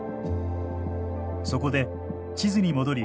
そこで地図に戻り